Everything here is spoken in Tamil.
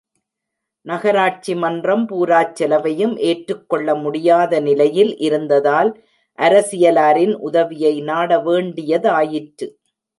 நகராட்சி மன்றம் பூராச் செலவையும் ஏற்றுக் கொள்ள முடியாத நிலையில் இருந்ததால், அரசியலாரின் உதவியை நாடவேண்டிய தாயிற்று.